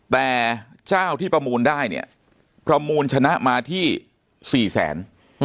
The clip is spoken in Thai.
แต่เจ้าที่ประมูลได้เนี่ยประมูลชนะมาที่๔แสน